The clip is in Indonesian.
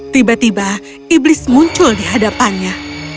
tiba tiba iblis muncul di hadapannya